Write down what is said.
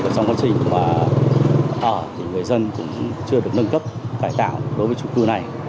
trong quá trình ở người dân cũng chưa được nâng cấp cải tạo đối với trung cư này